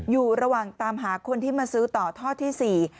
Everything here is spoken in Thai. อยู่ระหว่างตามหาคนที่มาซื้อต่อท่อที่สี่